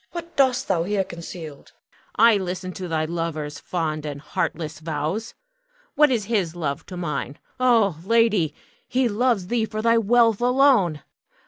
What dost thou here concealed? Huon. I listen to thy lover's fond and heartless vows. What is his love to mine? Ah, lady, he loves thee for thy wealth alone.